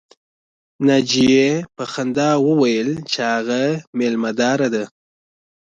ناجیې په خندا وویل چې هغه مېلمه داره ده